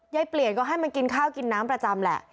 เปลี่ยนก็ให้มากินข้าวกินน้ำประจำแหละ